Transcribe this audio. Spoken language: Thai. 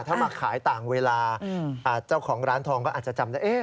ถ้ามาขายต่างเวลาเจ้าของร้านทองก็อาจจะจำได้